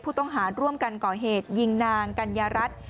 ผู้ต้องหาร่วมกันก่อเหตุยิงนางกัญญารัฐ